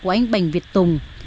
của anh bành việt tùng